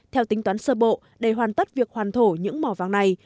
theo tính toán sơ bộ để hoàn tất việc hoàn thổ những mỏ vàng này